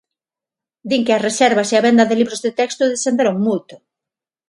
Din que as reservas e a venda de libros de texto descenderon moito.